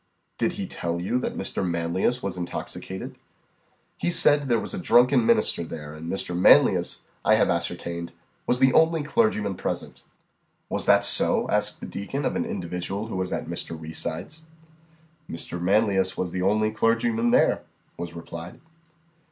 "Did he tell you that Mr. Manlius was intoxicated?" "He said there was a drunken minister there, and Mr. Manlius, I have ascertained, was the only clergyman present." "Was that so?" asked the deacon of an individual who was at Mr. Reeside's. "Mr. Manlius was the only clergyman there," was replied.